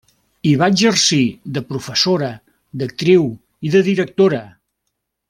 Hi va exercir de professora, d'actriu i de directora.